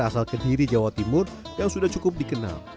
asal kediri jawa timur yang sudah cukup dikenal